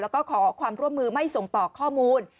แล้วก็ขอความร่วมมือไม่ส่งต่อข้อมูล